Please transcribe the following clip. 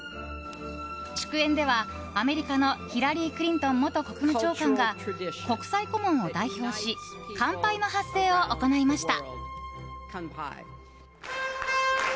祝宴ではアメリカのヒラリー・クリントン元国務長官が国際顧問を代表し乾杯の発声を行いました。